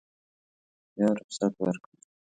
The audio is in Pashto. یا رخصت ورکړي.